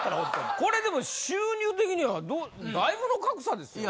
これでも収入的にはだいぶの格差ですよこれ。